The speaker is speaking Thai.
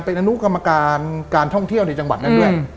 เป็นอนุกรรมการการท่องเที่ยวในจังหวัดนั้นด้วย